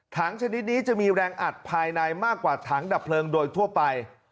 ชนิดนี้จะมีแรงอัดภายในมากกว่าถังดับเพลิงโดยทั่วไป